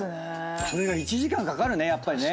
それが１時間かかるね。